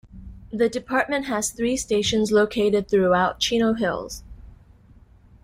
The department has three stations located throughout Chino Hills.